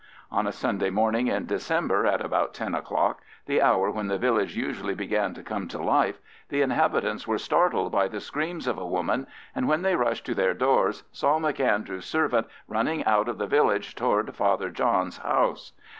On a Sunday morning in December, at about 10 o'clock, the hour when the village usually began to come to life, the inhabitants were startled by the screams of a woman, and when they rushed to their doors saw M'Andrew's servant running out of the village towards Father John's house.